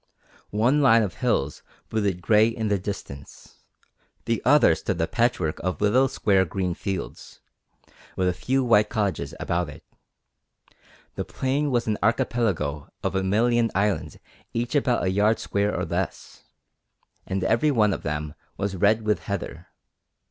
One line of hills brooded grey in the distance, the other stood a patchwork of little square green fields, with a few white cottages about it. The plain was an archipelago of a million islands each about a yard square or less, and everyone of them was red with heather.